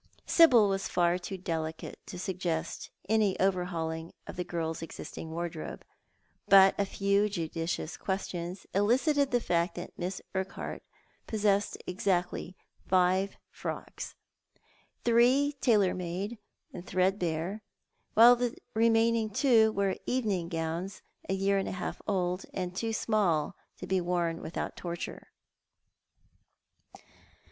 Sibyl was far too delicate to suggest any overhauling of the girl's existing wardrobe, but a few judicious questions elicited the fact that Miss Urquhart possessed exactly five frocks, three tailor made and threadl)are, while the remaining two were evening gowns, a year and a half old, and too small to be worn without torture.